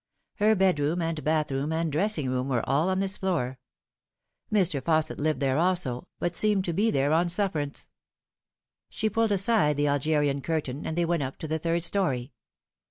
Her bedroom and bathroom and dressing room were all on this floor. Mr. Fausset lived there also, but seemed to be there on sufferance. She pulled aside the Algerian curtain, and they went up to the third story.